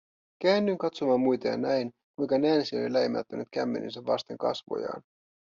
Käännyin katsomaan muita ja näin, kuinka Nancy oli läimäyttänyt kämmenensä vasten kasvojaan.